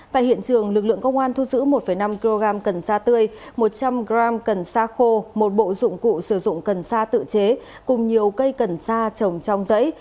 tại hiện trường lực lượng công an thu giữ một năm kg cần sa tươi một trăm linh g cần sa khô một bộ dụng cụ sử dụng cần sa tự chế cùng nhiều cây cần sa trồng trong giấy